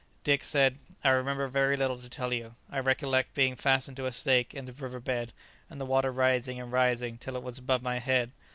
Dick said, "I remember very little to tell you. I recollect being fastened to a stake in the river bed and the water rising and rising till it was above my head.